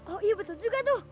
oh iya betul juga tuh